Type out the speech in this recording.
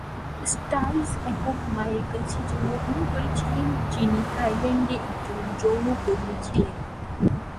Styles একক মায়ের কাছে জন্মগ্রহণ করেছিলেন যিনি থাইল্যান্ডে একজন যৌনকর্মী ছিলেন।